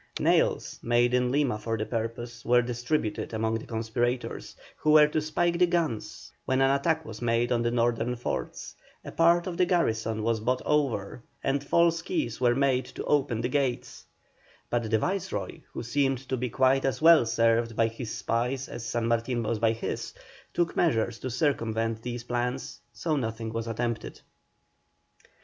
Nails, made in Lima for the purpose, were distributed among the conspirators, who were to spike the guns when an attack was made on the northern forts; a part of the garrison was bought over, and false keys were made to open the gates; but the Viceroy, who seemed to be quite as well served by his spies as San Martin was by his, took measures to circumvent these plans, so nothing was attempted.